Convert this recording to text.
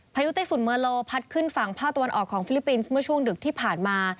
ยุไต้ฝุ่นเมอร์โลพัดขึ้นฝั่งภาคตะวันออกของฟิลิปปินส์เมื่อช่วงดึกที่ผ่านมา